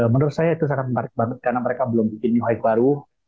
menurut saya itu sangat menarik banget karena mereka belum bikin new hype baru